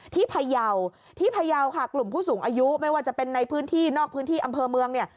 พยาวที่พยาวค่ะกลุ่มผู้สูงอายุไม่ว่าจะเป็นในพื้นที่นอกพื้นที่อำเภอเมืองเนี่ย